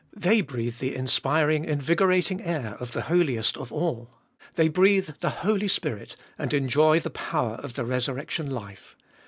They breathe the inspiring, invigorating air of the Holiest of All ; they breathe the Holy Spirit, and enjoy the power of the resurrection life.